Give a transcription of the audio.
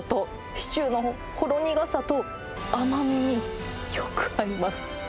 シチューのほろ苦さと、甘みによく合います。